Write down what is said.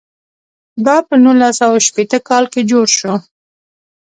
دا په نولس سوه شپېته کال کې جوړ شو.